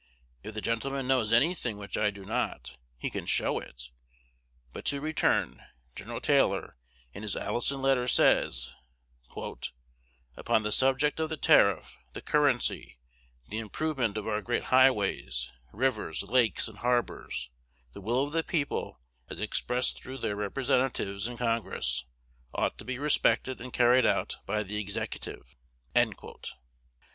If the gentleman knows any thing which I do not, he can show it. But to return: Gen. Taylor, in his Allison letter, says, "Upon the subject of the tariff, the currency, the improvement of our great highways, rivers, lakes, and harbors, the will of the people, as expressed through their Representatives in Congress, ought to be respected and carried out by the Executive."